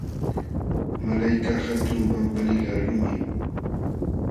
Malaykaq hatun pampanilaq lumim.